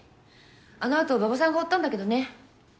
あのあと馬場さんが追ったんだけどね。